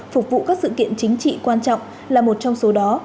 phục vụ các sự kiện chính trị quan trọng là một trong số đó